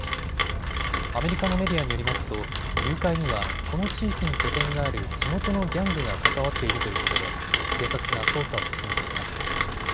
アメリカのメディアによりますと誘拐にはこの地域に拠点がある地元のギャングが関わっているということで警察が捜査を進めています。